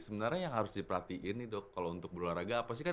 sebenarnya yang harus diperhatiin nih dok kalau untuk berolahraga apa sih kan